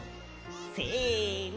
せの！